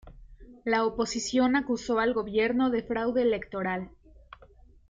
La oposición acusó al gobierno de fraude electoral.